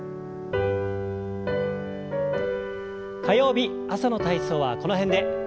火曜日朝の体操はこの辺で。